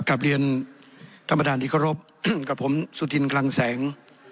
คับเรียนท่านประธานกระทบกับผมสุธินครังแสง